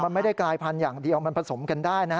มันไม่ได้กลายพันธุ์อย่างเดียวมันผสมกันได้นะฮะ